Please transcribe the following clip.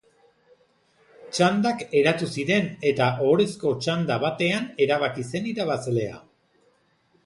Txandak eratu ziren eta ohorezko txanda batean erabaki zen irabazlea.